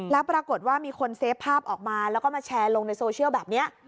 แล้วปรากฏว่ามีคนเซฟภาพออกมาแล้วก็มาแชร์ลงในโซเชียลแบบนี้